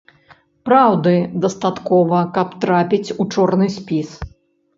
Праўды дастаткова, каб трапіць у чорны спіс!